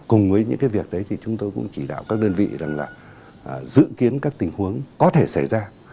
cùng với những cái việc đấy thì chúng tôi cũng chỉ đạo các đơn vị dự kiến các tình huống có thể xảy ra